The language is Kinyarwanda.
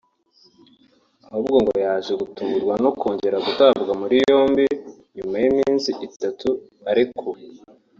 ahubwo ngo yaje gutungurwa no kongera gutabwa muri yombi nyuma y’iminsi itatu arekuwe